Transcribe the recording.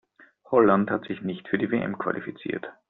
Holland hat sich nicht für die WM qualifiziert.